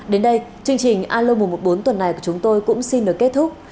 đến đây chương trình alo một mươi bốn tuần này của chúng tôi cũng xin được kết thúc